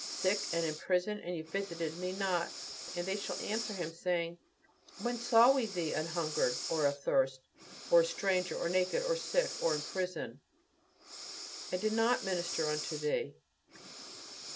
sick and in prison and ye visited me not." Then shall they answer him, saying, "When saw we thee an hungered, or a thirst, or a stranger, or naked, or sick, or in prison, and did not minister unto thee?"